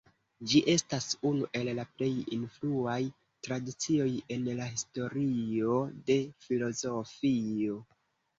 Ĝi estas unu el la plej influaj tradicioj en la historio de filozofio.